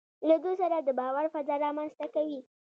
له دوی سره د باور فضا رامنځته کوي.